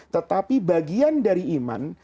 tetapi bagian dari iman